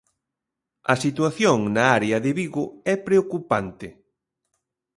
A situación na área de Vigo é preocupante.